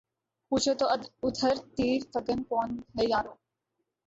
پوچھو تو ادھر تیر فگن کون ہے یارو